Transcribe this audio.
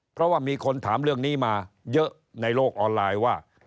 เพราะว่ามีคนถามเรื่องนี้มาเยอะในโลกออนไลน์ว่า